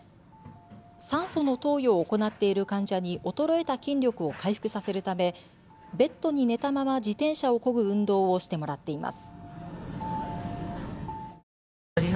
酸素の投与を行っている患者に衰えた筋力を回復させるためベッドに寝たまま自転車をこぐ運動をしてもらっています。